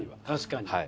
確かに。